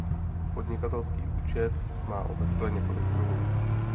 Podnikatelský účet má obvykle několik druhů.